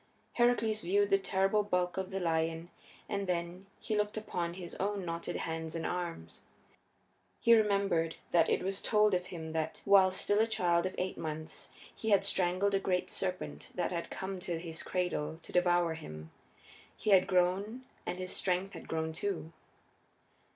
Heracles viewed the terrible bulk of the lion, and then he looked upon his own knotted hands and arms. He remembered that it was told of him that, while still a child of eight months, he had strangled a great serpent that had come to his cradle to devour him. He had grown and his strength had grown too.